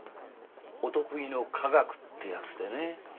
お得意の科学ってやつでね。